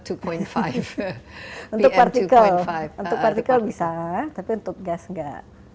untuk partikel bisa tapi untuk gas nggak